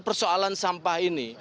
persoalan sampah ini